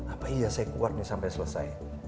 apa iya saya keluar nih sampai selesai